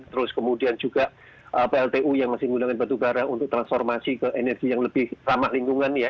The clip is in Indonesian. terus kemudian juga pltu yang masih menggunakan batu bara untuk transformasi ke energi yang lebih ramah lingkungan ya